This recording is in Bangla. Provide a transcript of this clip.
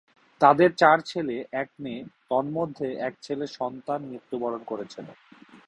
তাদের চার ছেলে এক মেয়ে তন্মধ্যে এক ছেলে সন্তান মৃত্যুবরণ করেছেন।